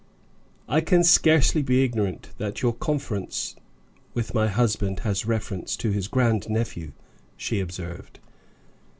"I can scarcely be ignorant that your conference with my husband has reference to his grandnephew," she observed.